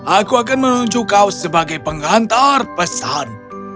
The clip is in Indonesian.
aku akan menunjuk kau sebagai pengantar pesan